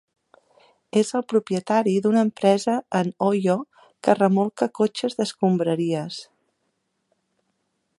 És el propietari d'una empresa en Ohio que remolca cotxes d'escombraries.